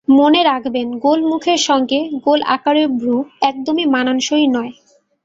মনে রাখবেন, গোল মুখের সঙ্গে গোল আকারের ভ্রু একদমই মানানসই নয়।